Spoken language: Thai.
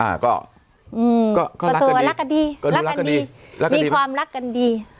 อ่าก็อืมก็รักกันดีรักกันดีรักกันดีมีความรักกันดี